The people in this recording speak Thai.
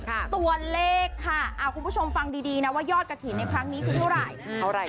ตัวเลขค่ะคุณผู้ชมฟังดีดีนะว่ายอดกระถิ่นในครั้งนี้คือเท่าไหร่